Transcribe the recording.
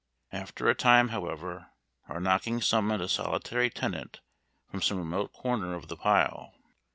After a time, however, our knocking summoned a solitary tenant from some remote corner of the pile.